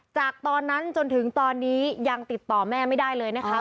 จากตอนนั้นจนถึงตอนนี้ยังติดต่อแม่ไม่ได้เลยนะคะ